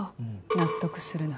納得するな。